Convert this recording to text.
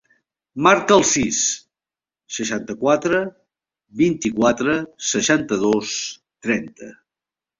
Marca el sis, seixanta-quatre, vint-i-quatre, seixanta-dos, trenta.